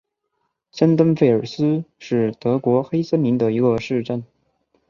林登费尔斯是德国黑森州的一个市镇。